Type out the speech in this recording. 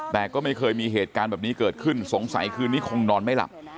แต่ก็ไม่เคยมีเหตุการณ์แบบนี้เกิดขึ้นสงสัยคืนนี้คงนอนไม่หลับ